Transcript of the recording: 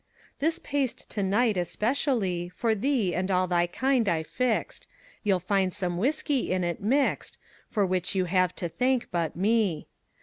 This paste to night especially For thee and all thy kind I fixed, You'll find some whiskey in it mixed, For which you have to thank but me.